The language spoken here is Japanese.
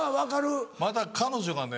また彼女がね